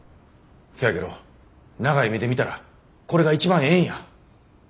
せやけど長い目で見たらこれが一番ええんや。